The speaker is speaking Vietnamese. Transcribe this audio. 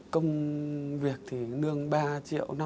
công việc thì nương ba triệu